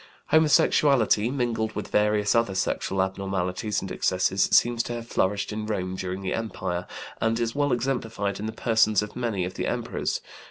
Homosexuality, mingled with various other sexual abnormalities and excesses, seems to have flourished in Rome during the empire, and is well exemplified in the persons of many of the emperors.